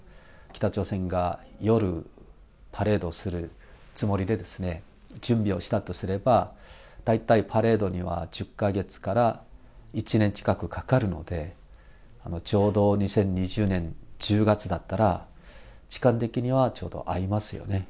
北朝鮮が夜、パレードするつもりで準備をしたとすれば、大体パレードには１０か月から１年近くかかるので、ちょうど２０２０年１０月だったら、時間的にはちょうど合いますよね。